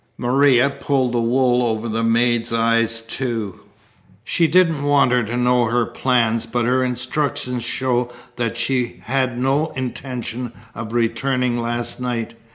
Maria pulled the wool over the maid's eyes, too. She didn't want her to know her plans, but her instructions show that she had no intention of returning last night.